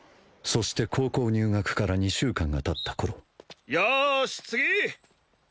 そして高校入学から２週間がたった頃よーし次